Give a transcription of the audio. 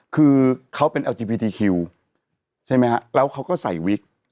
คือเขาเป็นแอลจีพีทีคิวใช่ไหมฮะแล้วเขาก็ใส่วิก